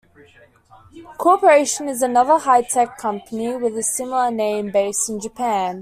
Corporation is another high-tech company with a similar name, based in Japan.